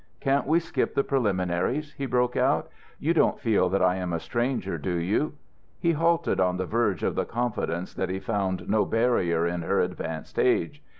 Can't we skip the preliminaries?" he broke out. "You don't feel that I am a stranger, do you?" He halted on the verge of the confidence that he found no barrier in her advanced age.